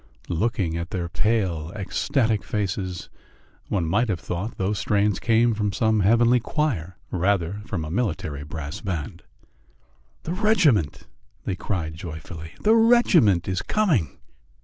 Looking at their pale, ecstatic faces, one might have thought those strains came from some heavenly choir rather than from a military brass band. "The regiment!" they cried joyfully. "The regiment is coming!"